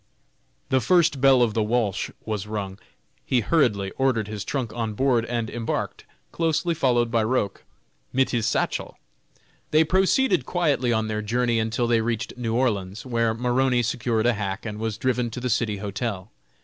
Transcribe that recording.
The first bell of the Walsh was rung. He hurriedly ordered his trunk on board, and embarked, closely followed by Roch, "mit his satchel." They proceeded quietly on their journey until they reached New Orleans, where Maroney secured a hack and was driven to the City Hotel.